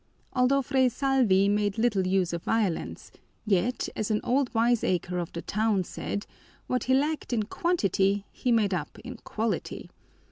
Although Fray Salvi made little use of violence, yet, as an old wiseacre of the town said, what he lacked in quantity he made up in quality.